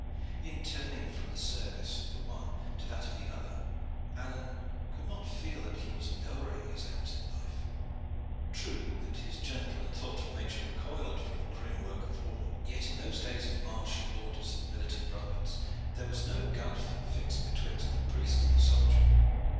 In turning from the service of the one to that of the other, Alleyne could not feel that he was lowering his aims in life. True that his gentle and thoughtful nature recoiled from the grim work of war, yet in those days of martial orders and militant brotherhoods there was no gulf fixed betwixt the priest and the soldier.